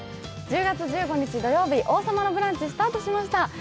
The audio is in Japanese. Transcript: １０月１５日土曜日、「王様のブランチ」スタートしました。